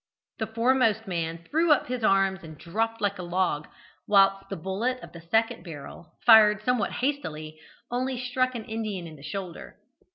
The foremost man threw up his arms and dropped like a log, whilst the bullet of the second barrel, fired somewhat hastily, only struck an Indian in the shoulder.